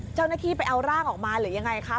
เจ้าหน้าที่ไปเอาร่างออกมาหรือยังไงคะ